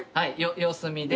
様子見で。